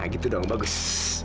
nah gitu dong bagus